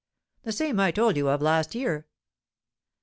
"The same I told you of last year."